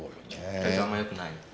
体調あんまよくないん？